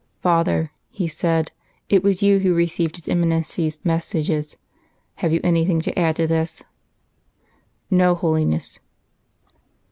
"Father," he said, "it was you who received his Eminency's messages. Have you anything to add to this?" "No, Holiness."